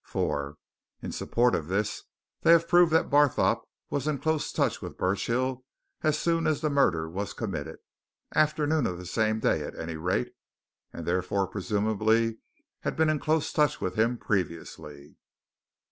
"4. In support of this they have proved that Barthorpe was in close touch with Burchill as soon as the murder was committed afternoon of the same day, at any rate and therefore presumably had been in close touch with him previously.